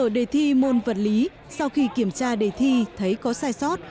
đề thi môn vật lý sau khi kiểm tra đề thi thấy có sai sót